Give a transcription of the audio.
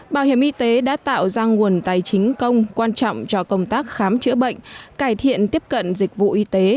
bảo hiểm y tế đã tạo ra nguồn tài chính công quan trọng cho công tác khám chữa bệnh cải thiện tiếp cận dịch vụ y tế